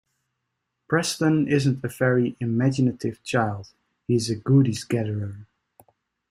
Preston isn't a very imaginative child; he's a goodies gatherer.